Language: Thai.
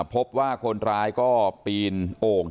พบว่าคนร้ายก็ปีนโอ่ง